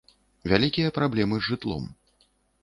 Вялікія праблемы з жытлом.